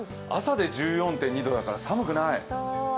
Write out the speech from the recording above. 朝で１４．２度だから寒くない。